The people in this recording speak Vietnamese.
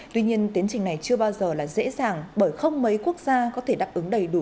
tuy nhiên tiến trình này chưa bao giờ là dễ dàng bởi không mấy quốc gia có thể đáp ứng đầy đủ